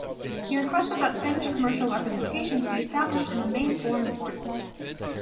He requested that Spanish commercial representations be established in the main foreign ports.